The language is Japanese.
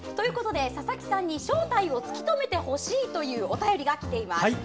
佐々木さんに正体を突き止めてほしいというお便りがきています。